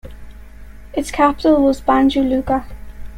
Its capital was Banja Luka.